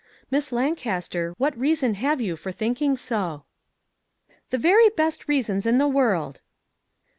Miss Lancaster, what reason have you for thinking so ?"" The very best reasons in the world."